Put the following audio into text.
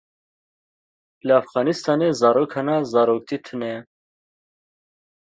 Li Efxanistanê zarok hene, zaroktî tune ye.